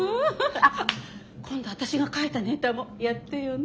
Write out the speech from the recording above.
あっ今度私が書いたネタもやってよね。